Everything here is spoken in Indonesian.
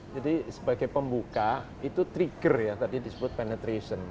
jadi sebagai pembuka itu trigger ya tadi disebut penetration